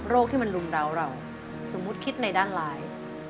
ที่มันลุมดาวเราสมมุติคิดในด้านร้าย